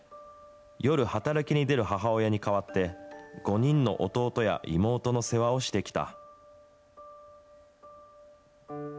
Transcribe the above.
夜働きに出る母親に代わって、５人の弟や妹の世話をしてきた。